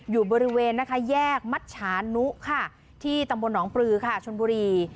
อยู่บริเวณนะคะแยกมัชชานุค่ะที่ตำบลหนองปลือค่ะชนบุรี